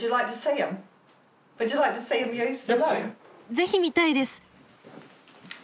ぜひ見たいです。